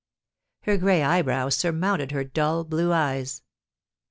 Her gray eyebrows surmounted her dull blue eyes.